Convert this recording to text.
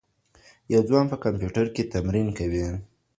يو ځوان په کمپيوټر کي تمرين کوي.